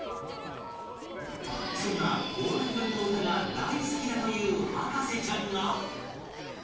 そんな太田裕美の歌が大好きだという博士ちゃんが